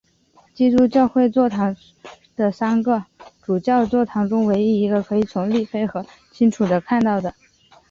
基督教会座堂是的三个主教座堂中唯一一个可以从利菲河清楚地看到的。